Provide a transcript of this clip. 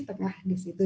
tengah di situ